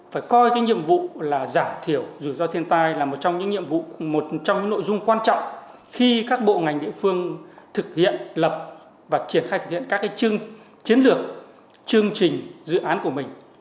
phải coi cái nhiệm vụ là giảm thiểu rủi ro thiên tai là một trong những nhiệm vụ một trong những nội dung quan trọng khi các bộ ngành địa phương thực hiện lập và triển khai thực hiện các cái chiến lược chương trình dự án của mình